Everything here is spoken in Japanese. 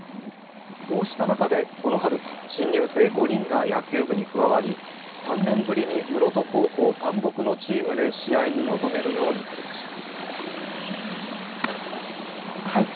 そうした中で、この春新入生５人が野球部に加わり３年ぶりに室戸高校単独のチームで試合に臨めるようになりました。